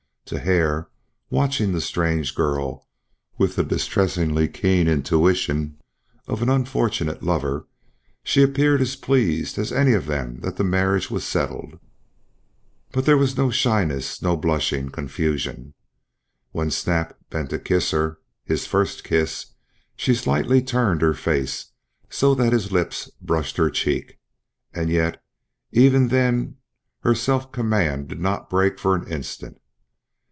To Hare, watching the strange girl with the distressingly keen intuition of an unfortunate lover, she appeared as pleased as any of them that the marriage was settled. But there was no shyness, no blushing confusion. When Snap bent to kiss her his first kiss she slightly turned her face, so that his lips brushed her cheek, yet even then her self command did not break for an instant.